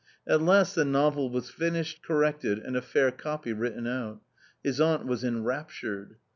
At last ^/ the no vel wa s finished, corrected, and a fair copy written ^. out. ^fiis aunt was enraptured.